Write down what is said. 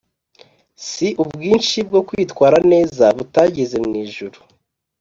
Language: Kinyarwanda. Si ubwinshi bwo kwitwara neza buzatugeza mu Ijuru